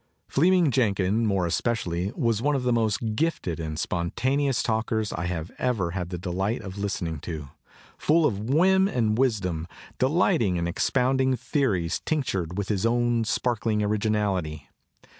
Fleeming Jenkin, more es pecially, was one of the most gifted and spon taneous talkers I have ever had the delight of listening to, full of whim and of wisdom, de lighting in expounding theories tinctured with his own sparkling originality.